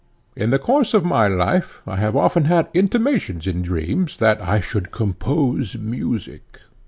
In the course of my life I have often had intimations in dreams 'that I should compose music.'